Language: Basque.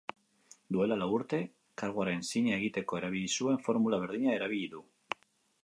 Duela lau urte karguaren zina egiteko erabili zuen formula berdina erabili du.